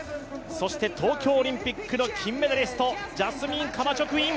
そして東京オリンピックの金メダリスト、ジャスミン・カマチョ・クイン。